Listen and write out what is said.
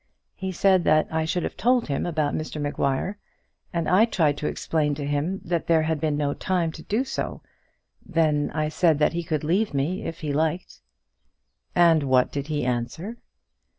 He said that I should have told him about Mr Maguire, and I tried to explain to him that there had been no time to do so. Then I said that he could leave me if he liked." "And what did he answer?"